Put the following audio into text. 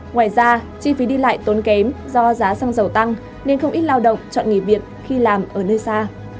ngoài ra chi phí đi lại tốn kém do giá xăng dầu tăng nên không ít lao động chọn nghỉ việc khi làm ở nơi xa